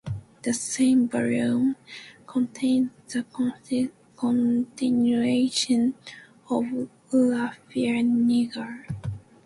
The same volume contains the continuation of Ralph Niger.